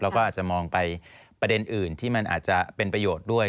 เราก็อาจจะมองไปประเด็นอื่นที่มันอาจจะเป็นประโยชน์ด้วย